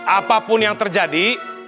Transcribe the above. apapun yang terjadi